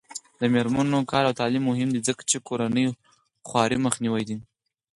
د میرمنو کار او تعلیم مهم دی ځکه چې کورنۍ خوارۍ مخنیوی دی.